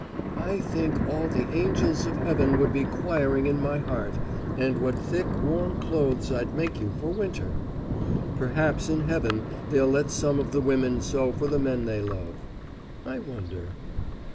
I think all the angels of heaven would be choiring in my heart and what thick, warm clothes I'd make you for winter! Perhaps in heaven they'll let some of the women sew for the men they love I wonder!